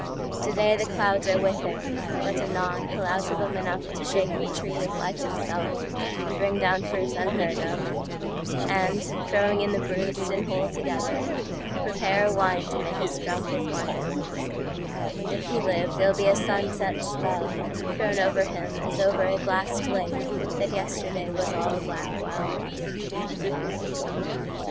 Today the clouds are with him, but anonHe'll out of 'em enough to shake the treeOf life itself and bring down fruit unheard of,—And, throwing in the bruised and whole together, Prepare a wine to make us drunk with wonder; And if he live, there'll be a sunset spellThrown over him as over a glassed lakeThat yesterday was all a black wild water.